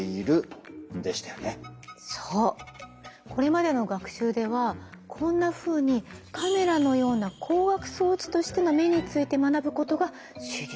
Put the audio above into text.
そうこれまでの学習ではこんなふうにカメラのような光学装置としての目について学ぶことが主流でした。